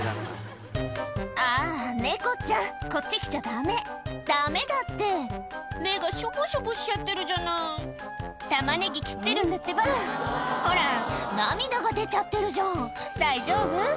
あ猫ちゃんこっち来ちゃダメダメだって目がショボショボしちゃってるじゃないタマネギ切ってるんだってばほら涙が出ちゃってるじゃん大丈夫？